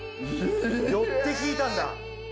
寄って引いたんだ。